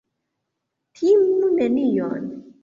Timu nenion.